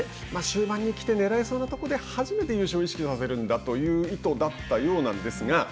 終盤に来てねらえそうなところで初めて優勝を意識させるんだという意図だったようなんですが。